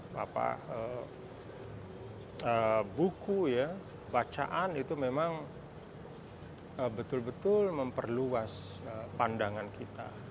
bapak buku ya bacaan itu memang betul betul memperluas pandangan kita